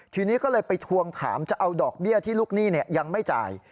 ทีนี้ก็เลยไปทวงถามจะเอาดอกเบี้ยที่ลูกหนี้ยังไม่จ่าย